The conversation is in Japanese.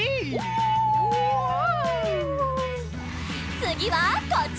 つぎはこっち！